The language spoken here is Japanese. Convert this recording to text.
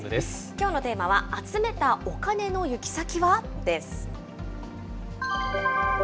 きょうのテーマは、集めたお金の行き先は？です。